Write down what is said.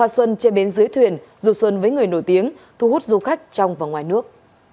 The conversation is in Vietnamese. xuân che bến dưới thuyền dù xuân với người nổi tiếng thu hút du khách trong và ngoài nước